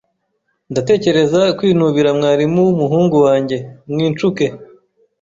Ndatekereza kwinubira mwarimu wumuhungu wanjye mwincuke.